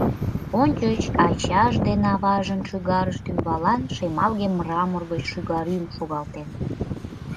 Ончыч ачаж ден аважын шӱгарышт ӱмбалан шемалге мрамор гыч шӱгаргӱм шогалтен.